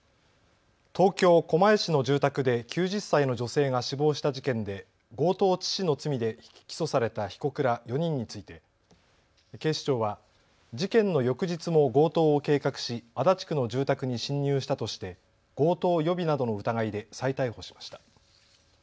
東京狛江市の住宅で９０歳の女性が死亡した事件で強盗致死の罪で起訴された被告ら４人について警視庁は事件の翌日も強盗を計画し足立区の住宅に侵入したとして強盗予備などの疑いで再逮捕しました。